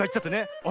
「あれ？